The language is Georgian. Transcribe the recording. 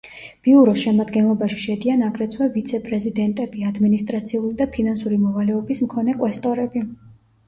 ბიუროს შემადგენლობაში შედიან აგრეთვე ვიცე-პრეზიდენტები, ადმინისტრაციული და ფინანსური მოვალეობის მქონე კვესტორები.